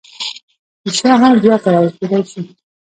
شیشه هم بیا کارول کیدی شي